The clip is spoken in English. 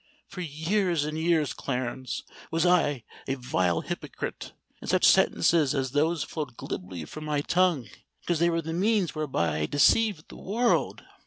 For years and years, Clarence, was I a vile hypocrite, and such sentences as those flowed glibly from my tongue—because they were the means whereby I deceived the world.